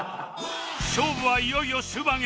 勝負はいよいよ終盤へ